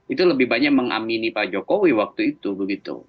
itu lebih banyak mengamini pak jokowi waktu itu begitu